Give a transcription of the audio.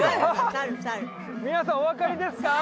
皆さんお分かりですか？